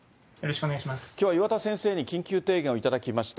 きょうは岩田先生に緊急提言をいただきました。